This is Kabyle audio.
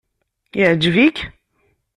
Iɛǧeb-ik?